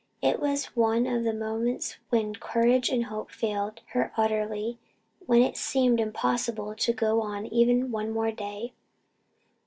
It was one of the moments when hope and courage failed her utterly when it seemed impossible to go on even one more day.